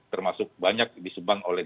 termasuk banyak disebang oleh